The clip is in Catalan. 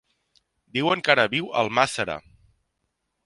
Diuen que ara viu a Almàssera.